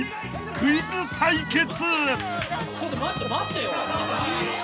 ［クイズ対決］